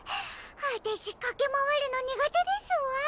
私駆け回るの苦手ですわ。